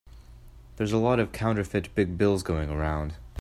There's a lot of counterfeit big bills going around.